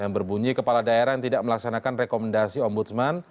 yang berbunyi kepala daerah yang tidak melaksanakan rekomendasi ombudsman